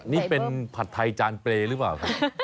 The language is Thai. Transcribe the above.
นี่เป็นผัดไทยจานเปรย์หรือเปล่าครับ